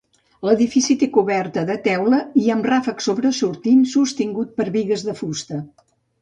L'edifici té coberta de teula i amb ràfec sobresortint, sostingut per bigues de fusta.